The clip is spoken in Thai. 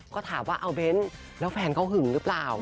ก็ถามว่าเอาเบ้นแล้วแฟนเขาหึงหรือเปล่า